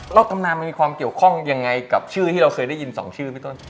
ตำนานมันมีความเกี่ยวข้องยังไงกับชื่อที่เราเคยได้ยิน๒ชื่อพี่ต้น